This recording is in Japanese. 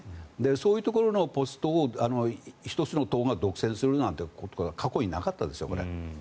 そういうところのポストを１つの党が独占するというのは過去になかったですよ、これ。